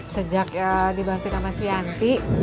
sejak dibantu sama si yanti